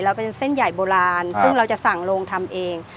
เป็นเส้นใหญ่โบราณซึ่งเราจะสั่งโรงทำเอง